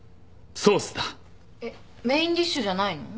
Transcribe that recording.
えっ？メインディッシュじゃないの？